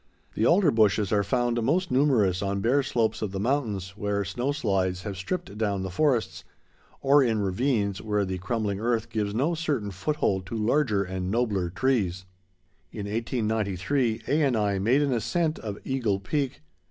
The alder bushes are found most numerous on bare slopes of the mountains, where snow slides have stripped down the forests; or in ravines, where the crumbling earth gives no certain foothold to larger and nobler trees. In 1893, A. and I made an ascent of Eagle Peak.